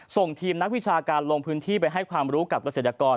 ส่งทีมนักวิชาการลงพื้นที่ไปให้ความรู้กับเกษตรกร